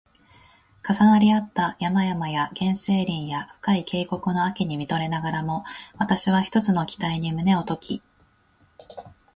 重なり合った山々や原生林や深い渓谷の秋に見とれながらも、わたしは一つの期待に胸をとき